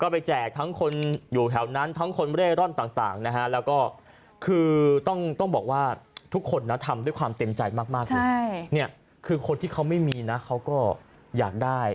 เพราะว่าทุกคนทำด้วยความเต็มใจมากคือคนที่เขาไม่มีเขาก็อยากได้